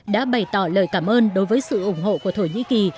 đã bày tỏ lời cảm ơn đối với sự ủng hộ của thổ nhĩ kỳ